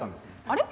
あれ？